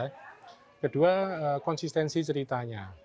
setelah konsistensi ceritanya